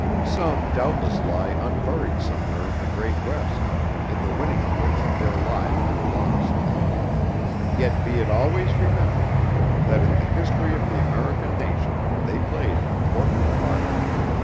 Some doubtless lie unburied somewhere in the great West, in the winning of which their lives were lost. Yet be it always remembered, that in the history of the American nation they played an important part.